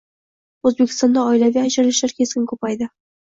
O‘zbekistonda oilaviy ajrashishlar keskin ko‘paydi